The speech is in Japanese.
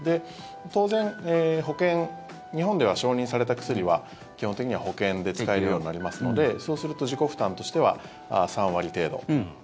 当然、保険日本では承認された薬は基本的には保険で使えるようになりますのでそうすると自己負担としては３割程度。